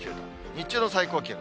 日中の最高気温。